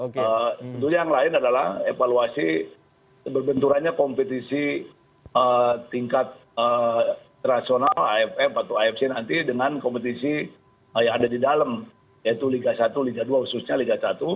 tentu yang lain adalah evaluasi berbenturannya kompetisi tingkat internasional aff atau afc nanti dengan kompetisi yang ada di dalam yaitu liga satu liga dua khususnya liga satu